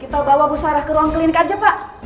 kita bawa bu sarah ke ruang klinik aja pak